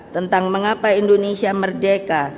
tentang mengapa indonesia merdeka